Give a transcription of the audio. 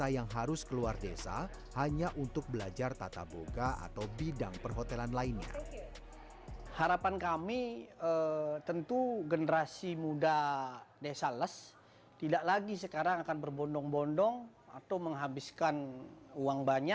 yang tiga cucu ini pun akhirnya